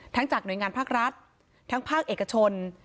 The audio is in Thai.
จากหน่วยงานภาครัฐทั้งภาคเอกชน